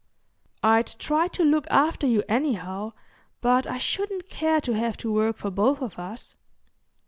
"I'd try to look after you, anyhow; but I shouldn't care to have to work for both of us."